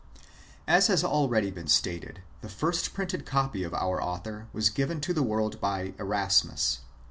As has been already stated, the first printed copy of our author was given to the world by Erasmus.